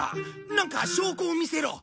なんか証拠を見せろ。